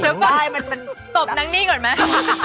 เดี๋ยวก่อนตบน้ำนี่ก่อนไหม